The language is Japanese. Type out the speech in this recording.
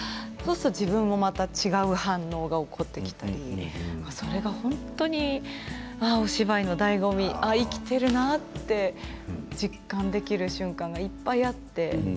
自分も違う反応が起こってきたりそれが本当にお芝居のだいご味生きているなって実感できる瞬間がいっぱいあって。